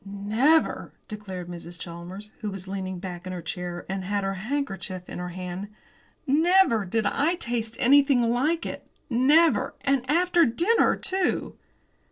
"Never," declared Mrs. Chalmers, who was leaning back in her chair, and had her handkerchief in her hand, "never did I taste anything like it! Never! and after dinner, too!"